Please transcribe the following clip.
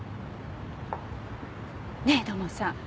ねえ土門さん。